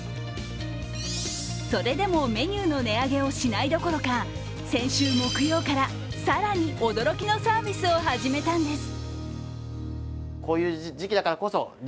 それでもメニューの値上げをしないどころか、先週木曜から更に驚きのサービスを始めたんです。